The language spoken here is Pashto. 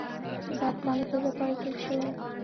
دا پلان د دې لپاره جوړ شوی